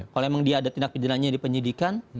kalau memang dia ada tindak pindahannya dipenyelidikan